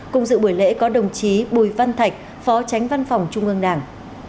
cùng dự buổi lễ có đồng chí bùi văn thạch phó tránh văn phòng trung ương đảng